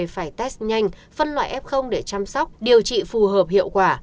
phải test nhanh phân loại f để chăm sóc điều trị phù hợp hiệu quả